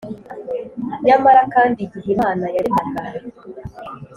nyamara kandi, igihe imana yaremaga